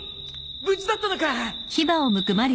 無事だったのか。